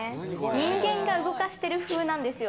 人間が動かしてるふうなんですよ。